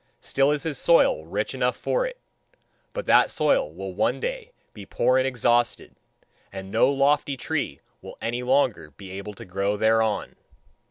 Still is his soil rich enough for it. But that soil will one day be poor and exhausted, and no lofty tree will any longer be able to grow thereon.